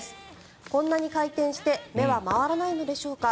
こんなに回転して目は回らないのでしょうか。